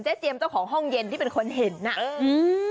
เจียมเจ้าของห้องเย็นที่เป็นคนเห็นน่ะเอออืม